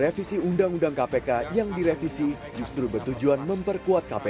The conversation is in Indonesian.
dianggap sebagai upaya pelaksanaan